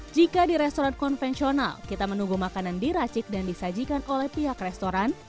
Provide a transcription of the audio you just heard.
jika di restoran konvensional kita menunggu makanan diracik dan disajikan oleh pihak restoran